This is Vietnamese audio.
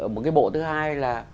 một cái bộ thứ hai là